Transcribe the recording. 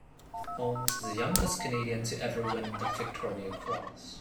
Holmes is the youngest Canadian to ever win the Victoria Cross.